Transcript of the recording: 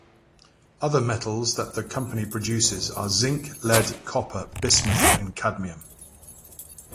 Other metals that the company produces are zinc, lead, copper, bismuth, and cadmium.